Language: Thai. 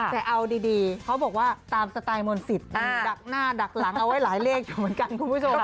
แต่เอาดีเขาบอกว่าตามสไตล์มนต์สิทธิ์ดักหน้าดักหลังเอาไว้หลายเลขอยู่เหมือนกันคุณผู้ชม